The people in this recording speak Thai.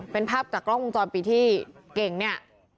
เป็นภาพจากกล้องวงจรปิดที่เก่งเนี่ย